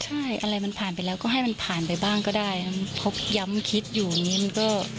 ใช่อะไรมันผ่านไปแล้วก็ให้มันผ่านไปบ้างก็ได้พบย้ำคิดอยู่อย่างนี้มันก็